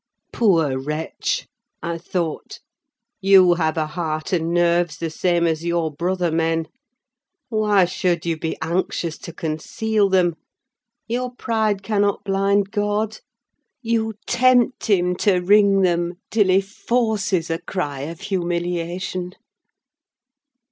"Poor wretch!" I thought; "you have a heart and nerves the same as your brother men! Why should you be anxious to conceal them? Your pride cannot blind God! You tempt him to wring them, till he forces a cry of humiliation."